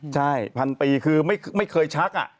ใช่พันปีคือไม่เคยชัก